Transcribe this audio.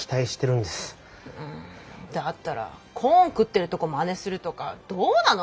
うんだったらコーン食ってるとこまねするとかどうなの？